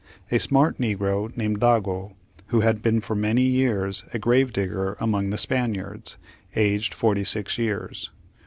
A smart negro, named Dago, who had been for many years a grave digger among the Spaniards, aged forty six years.